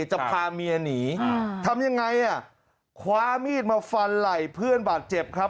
จะพาเมียหนีทำยังไงอ่ะคว้ามีดมาฟันไหล่เพื่อนบาดเจ็บครับ